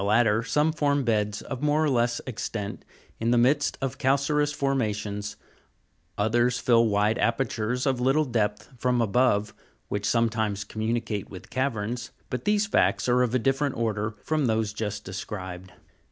177 latter, some form beds of more or less extent in the midst of calcareous forma tions, others fill wide apertures of little depth, from above, which sometimes communicate with caverns (fig 287) ; p . 2 87. . but these facts are of a different order f rom t ] le exterior. from those just described.